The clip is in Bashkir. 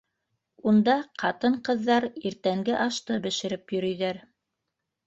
Унда ҡатын-ҡыҙҙар иртәнге ашты бешереп йөрөйҙәр.